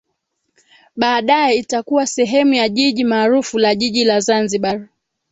Baadae itakuwa sehemu ya jiji maarufu la Jiji la Zanzibar